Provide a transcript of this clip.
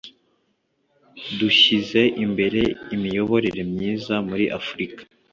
dushyize imbere imiyoborere myiza muri afurika